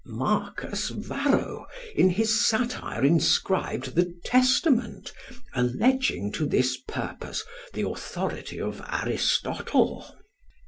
Marcus Varro, in his satire inscribed The Testament, alleging to this purpose the authority of Aristotle.